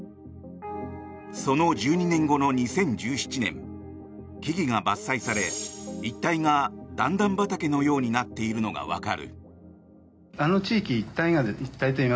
その１２年後の２０１７年木々が伐採され一帯が段々畑のようになっているのがわかる。